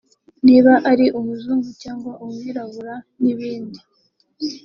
niba ari umuzungu cyangwa umwirabura n’ibindi